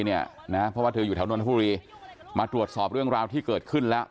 เพราะว่าเธออยู่แถวนนทบุรีมาตรวจสอบเรื่องราวที่เกิดขึ้นแล้ว